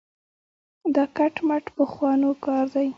دا کټ مټ پخوانو کار دی.